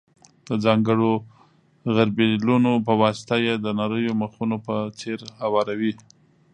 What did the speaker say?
د ځانګړو غربیلونو په واسطه یې د نریو مخونو په څېر اواروي.